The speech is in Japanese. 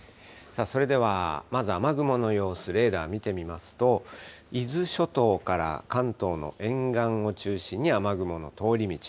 それではまず雨雲の様子、レーダー見てみますと、伊豆諸島から関東の沿岸を中心に雨雲の通り道。